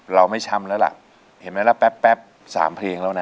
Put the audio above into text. เราไม่ช้ำแล้วล่ะเห็นไหมล่ะแป๊บ๓เพลงแล้วนะ